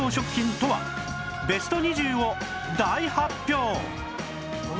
ベスト２０を大発表！